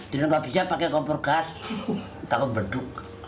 di negara bisa pakai kompor gas takut berduk